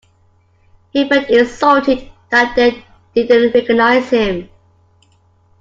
He felt insulted that they didn't recognise him.